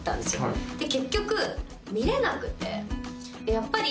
やっぱり。